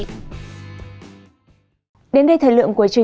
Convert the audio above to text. quần đảo hoàng sa